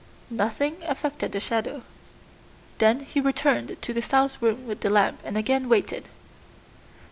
Nothing affected the shadow. Then he returned to the south room with the lamp and again waited.